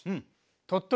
鳥取。